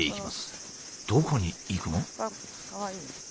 どこに行くの？